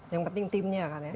yang penting timnya kan ya